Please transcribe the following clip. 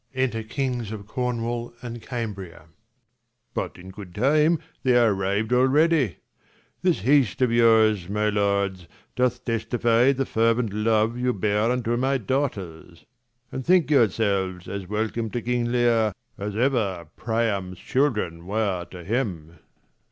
Enter kings of Cornwall an d Cambria. But in good time, they are arriv'd already. This haste of yours, my lords, doth testify 50 The fervent love you bear unto my daughters : And think yourselves as welcome to King Leir, As ever Priam^s children were^ to him.